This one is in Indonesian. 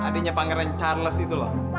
adiknya pangeran charles itu loh